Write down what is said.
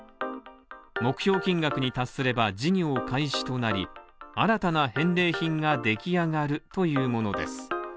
目標金額に達すれば事業開始となり、新たな返礼品が出来上がるというものです。